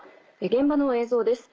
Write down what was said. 現場の映像です